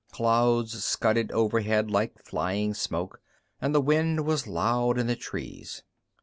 Clouds scudded overhead like flying smoke, and the wind was loud in the trees.